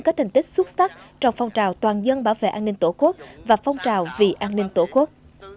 có thành tích xuất sắc trong phong trào toàn dân bảo vệ an ninh tổ quốc và phong trào vì an ninh tổ quốc